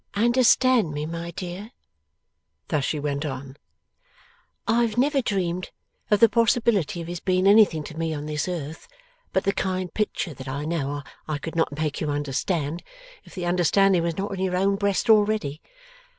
'Understand me, my dear;' thus she went on. 'I have never dreamed of the possibility of his being anything to me on this earth but the kind picture that I know I could not make you understand, if the understanding was not in your own breast already.